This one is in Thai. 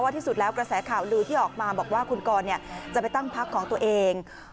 ที่สุดแล้วกระแสข่าวลือที่ออกมาบอกว่าคุณกรจะไปตั้งพักของตัวเอง